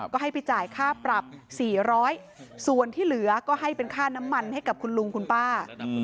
ก็ให้ไปจ่ายค่าปรับ๔๐๐ส่วนที่เหลือก็ให้เป็นค่าน้ำมันให้กับคุณลุงคุณป้า